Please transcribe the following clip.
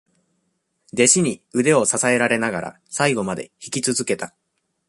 弟子に腕を支えられながら、最後まで引き続けた。